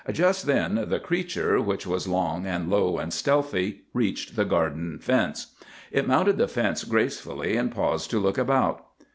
"Just then the 'creature,' which was long and low and stealthy, reached the garden fence. It mounted the fence gracefully, and paused to look about.